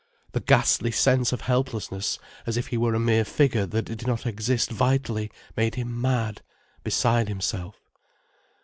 The ghastly sense of helplessness, as if he were a mere figure that did not exist vitally, made him mad, beside himself.